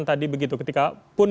tadi begitu ketikapun